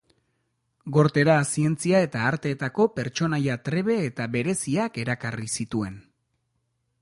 Gortera zientzia eta arteetako pertsonaia trebe eta bereziak erakarri zituen.